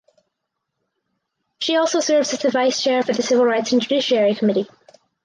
She also serves as the Vice Chair for the Civil Rights and Judiciary Committee.